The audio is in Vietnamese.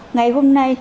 ngày hôm nay